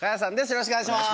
よろしくお願いします。